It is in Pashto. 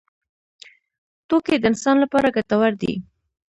توکي د انسان لپاره ګټور دي.